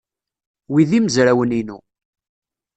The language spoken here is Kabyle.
Wi d imezrawen-inu.